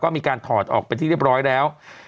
มีการถอดออกเป็นที่เรียบร้อยแล้ว